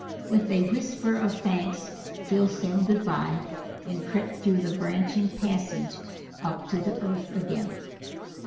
With a whisper of thanks Phil said good bye, and crept through the branching passages up to the earth again.